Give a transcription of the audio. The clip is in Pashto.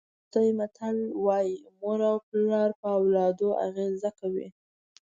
روسي متل وایي مور او پلار په اولادونو اغېزه کوي.